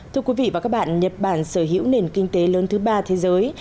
thưa quý vị và các bạn nhật bản sở hữu nền kinh tế lớn thứ ba thế giới